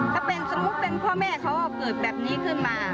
ถ้าเป็นสมมุติเป็นพ่อแม่เขาก็เกิดแบบนี้ขึ้นมา